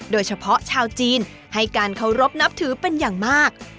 โดยเฉพาะชาวจีนให้การเคารพนับถือเป็นอย่างมาก